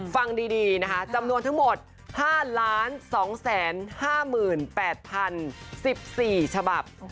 ฟังดีจำนวนทั้งหมด๕๒๕๘๐๑๔จบ